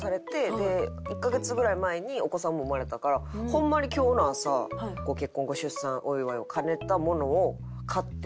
で１カ月ぐらい前にお子さんも生まれたからホンマに今日の朝ご結婚ご出産お祝いを兼ねたものを買ってて。